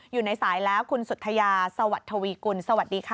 อยู่ในสายแล้วคุณสุธยาสวัสดีทวีกุลสวัสดีค่ะ